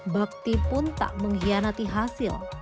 bakti pun tak mengkhianati hasil